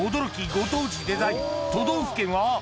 ご当地デザイン都道府県は？